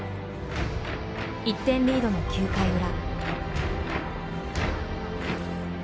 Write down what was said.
１点リードの９回裏。